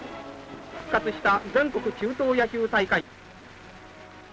復活した全国中等野球大会。